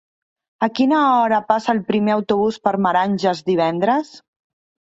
A quina hora passa el primer autobús per Meranges divendres?